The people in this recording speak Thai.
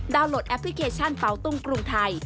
โหลดแอปพลิเคชันเปาตุ้งกรุงไทย